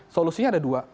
solusinya ada dua